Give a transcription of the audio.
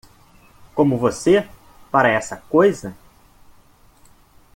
Como você para essa coisa?